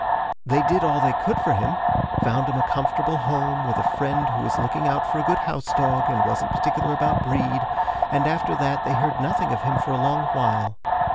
They did all they could for him; found him a comfortable home, with a friend who was looking out for a good house dog, and wasn't particular about breed, and, after that, they heard nothing of him for a long while.